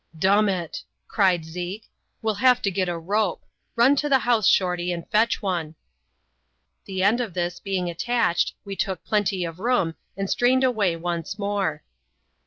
"Dumn it!*' cried Zeke, " we'll have to get a rope ; run to the house, Shorty, and fetch one." The end of this being attached, we took plenty of room, and strained away once more.